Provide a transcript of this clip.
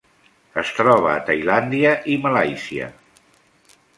Es troba a Tailàndia i Malàisia.